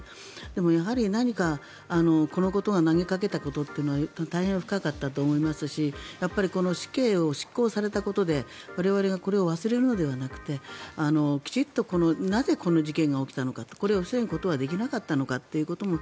でもやはり何か、このことが投げかけたことというのは大変深かったと思いますし死刑を執行されたことで我々がこれを忘れるのではなくてきちんとなぜこの事件が起きたのかこれを防ぐことはできなかったのかということを